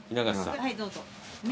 はいどうぞ。